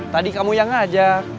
tadi kamu yang ngajar